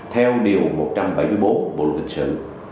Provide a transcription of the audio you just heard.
theo điều một trăm bảy mươi bốn bộ luật hình sự